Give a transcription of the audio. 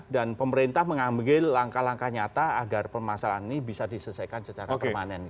dan pemerintah mengambil langkah langkah nyata agar permasalahan ini bisa diselesaikan secara permanen